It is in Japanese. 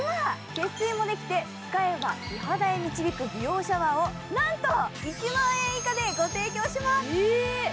節水もできて、使えば美肌へ導く美容シャワーをなんと１万円以下でご提供します。